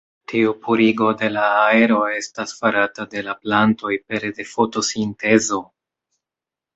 Tiu purigo de la aero estas farata de la plantoj pere de fotosintezo.